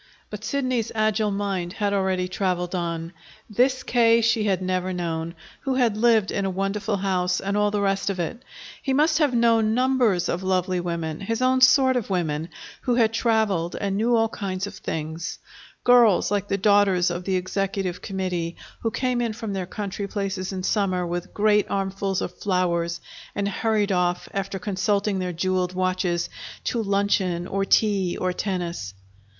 But Sidney's agile mind had already traveled on. This K. she had never known, who had lived in a wonderful house, and all the rest of it he must have known numbers of lovely women, his own sort of women, who had traveled and knew all kinds of things: girls like the daughters of the Executive Committee who came in from their country places in summer with great armfuls of flowers, and hurried off, after consulting their jeweled watches, to luncheon or tea or tennis.